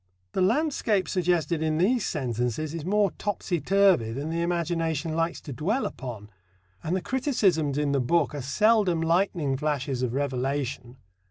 The landscape suggested in these sentences is more topsy turvy than the imagination likes to dwell upon. And the criticisms in the book are seldom lightning flashes of revelation.